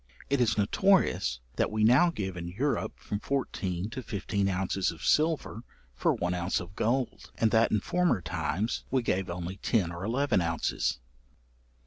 It is notorious, that we now give in Europe from fourteen to fifteen ounces of silver for one ounce of gold; and that in former times we gave only ten or eleven ounces.